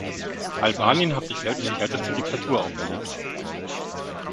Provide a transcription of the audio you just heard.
Albanien hat sich selbst die härteste Diktatur auferlegt.